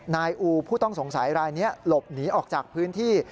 นายอูผู้ต้องสงสัยรายนี้หลบหนีออกจากพื้นที่